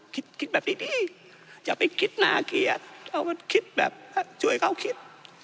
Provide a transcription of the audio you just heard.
คิดคิดแบบนี้ดีอย่าไปคิดน่าเกลียดเขาก็คิดแบบช่วยเขาคิด